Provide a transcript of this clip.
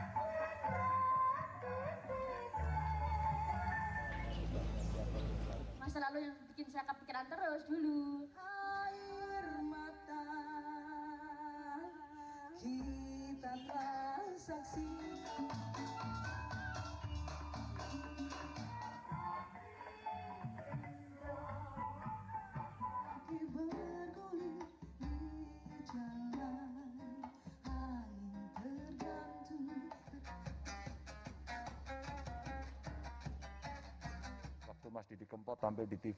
seluruh acara panggung hiburan dan seni terpaksa dibatalkan dan ditunda selama pandemi